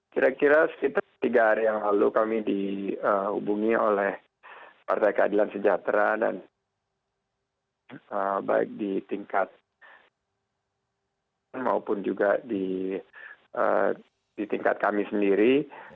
kira kira sekitar tiga hari yang lalu kami dihubungi oleh partai keadilan sejahtera dan baik di tingkatan maupun juga di tingkat kami sendiri